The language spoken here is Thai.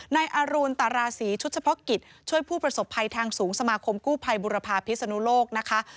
นายอรุณตราศีชุดเฉพาะกิจช่วยผู้ประสบภัยทางสูงสมาคมกู้ภัยบุรพาพิศนุโลกนะคะ